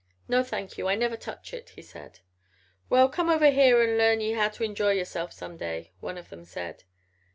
"No, thank you. I never touch it," he said. "We'll come over here an' learn ye how to enjoy yerself some day," one of them said.